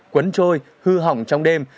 quấn trôi hư hỏng trong đêm